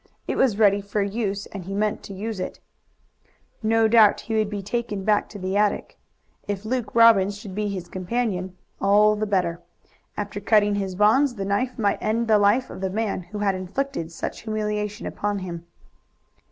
It was ready for use and he meant to use it. No doubt he would be taken back to the attic. If Luke Robbins should be his companion, all the better. After cutting his bonds the knife might end the life of the man who had inflicted such humiliation upon him.